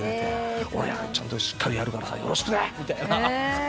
「俺ちゃんとしっかりやるからよろしくね」みたいな。